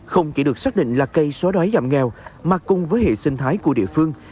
không chỉ được xác định là cây xóa đói giảm nghèo mà cùng với hệ sinh thái của địa phương